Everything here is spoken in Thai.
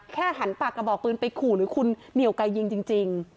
หันปากกระบอกปืนไปขู่หรือคุณเหนียวไกยิงจริง